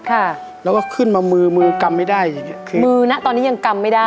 ค่ะแล้วก็ขึ้นมามือมือกำไม่ได้มือนะตอนนี้ยังกำไม่ได้